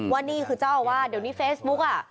ว่านี่คือเจ้าอาวาสเดี๋ยวนี้เฟซบุ๊กอ่ะ